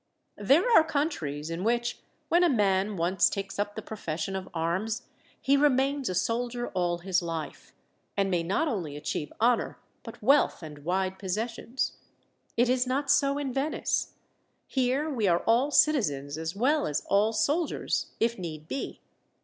"There are countries in which, when a man once takes up the profession of arms, he remains a soldier all his life, and may not only achieve honour but wealth and wide possessions. It is not so in Venice. Here we are all citizens as well as all soldiers if need be.